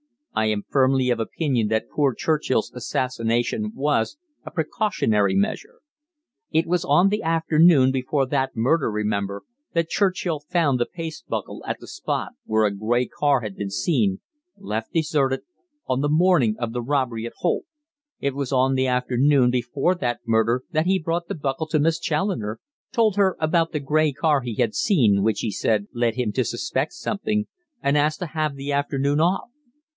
I am firmly of opinion that poor Churchill's assassination was a 'precautionary' measure. It was on the afternoon before that murder, remember, that Churchill found the paste buckle at the spot where a grey car had been seen, left deserted, on the morning of the robbery at Holt. It was on the afternoon before that murder that he brought the buckle to Miss Challoner, told her about the grey car he had seen, which, he said, led him to suspect something, and asked to have the afternoon off.